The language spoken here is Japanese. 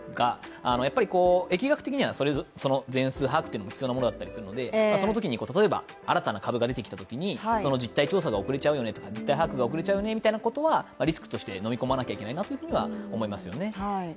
やっぱり疫学的には全数把握も必要なものだったりするのでそのときに新たな株が出てきたときに実態調査が遅れちゃうよねとか実態把握が遅れちゃうよねみたいなことはリスクとしてのみ込まないといけないと思いますね。